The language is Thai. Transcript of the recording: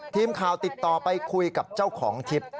ทีมข่าวติดต่อไปคุยกับเจ้าของคลิป